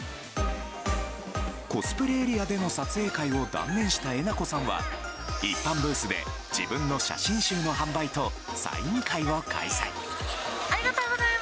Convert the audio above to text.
コスプレエリアでの撮影会を断念したえなこさんは一般ブースで自分の写真集の販売とサイン会を開催。